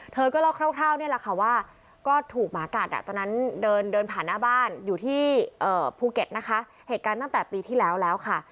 เธอก็เล่าคร่าวนี่แหละค่ะว่าก็ถูกหมากัดตอนนั้นเดินผ่านหน้าบ้านอยู่ที่ภูเก็ตนะคะเหตุการณ์ตั้งแต่ปีที่แล้วแล้วค่ะ